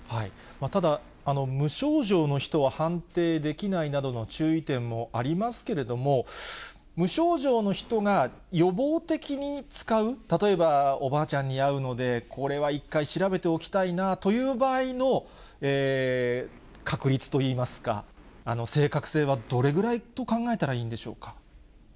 ただ、無症状の人は判定できないなどの注意点もありますけれども、無症状の人が、予防的に使う、例えばおばあちゃんに会うので、これは一回調べておきたいなという場合の、確率といいますか、正確性はどれぐらいと考えたらいいんでしょうか。